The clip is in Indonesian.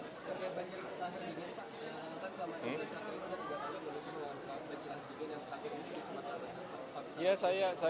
bagaimana banjir setahun ini pak